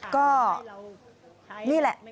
ก็นี่แหละ